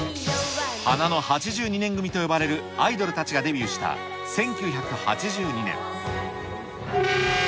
花の８２年組と呼ばれるアイドルたちがデビューした１９８２年。